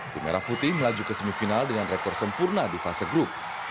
bunga ramputi melaju ke semifinal dengan rekor sempurna di fase grup